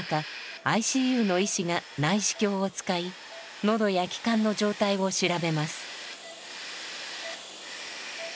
ＩＣＵの医師が内視鏡を使い喉や気管の状態を調べます。